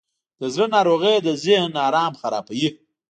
د زړه ناروغۍ د ذهن آرام خرابوي.